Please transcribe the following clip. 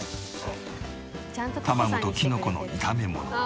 卵とキノコの炒め物。